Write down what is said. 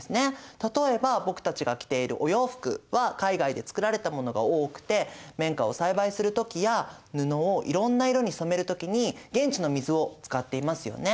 例えば僕たちが着ているお洋服は海外で作られたものが多くて綿花を栽培する時や布をいろんな色に染める時に現地の水を使っていますよね。